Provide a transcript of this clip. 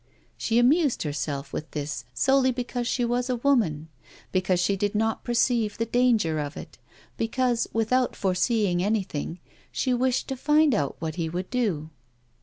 She amused herself with this solely because she was a woman, because she did not perceive the danger of it, because, without foreseeing anything, she wished to find out what he would do.